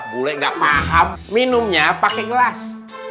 bule nggak paham minumnya pakai gelas